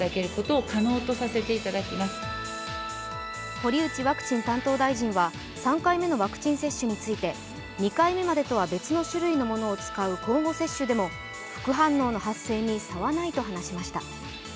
堀内ワクチン担当大臣は３回目のワクチン接種について、２回目までとは別の種類のものを使う混合接種でも副反応の発生に差はないと話しました。